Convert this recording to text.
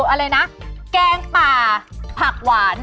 อะไรนะแกงป่าผักหวาน